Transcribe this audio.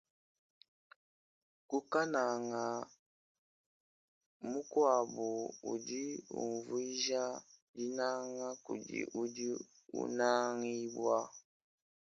Kunanaga mukuabu kudi kuvuija dinanga kudi udi unangibua.